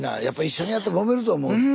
やっぱ一緒にやってもめると思う。